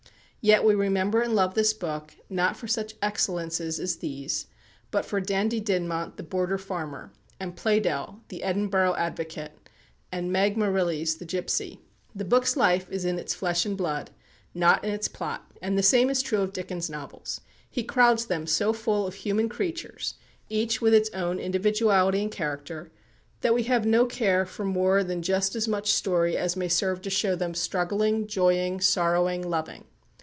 Yet we remember and love the book, not for such excellences as these, but for Dandie Dinmont, the Border farmer, and Pleydell, the Edinburgh advocate, and Meg Merrilies, the gipsy. The book's life is in its flesh and blood, not in its plot. And the same is true of Dickens' novels. He crowds them so full of human creatures, each with its own individuality and character, that we have no care for more than just as much story as may serve to show them struggling, joying, sorrowing, loving.